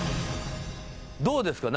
どうですか？